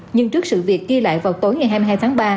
nhưng trước sự việc ghi lại vào tối ngày hai mươi hai tháng ba